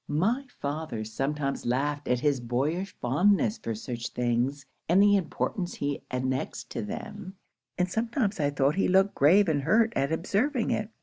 My father sometimes laughed at his boyish fondness for such things, and the importance he annexed to them; and sometimes I thought he looked grave and hurt at observing it.